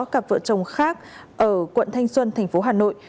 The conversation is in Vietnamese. cặp vợ chồng khác ở quận thanh xuân tp hà nội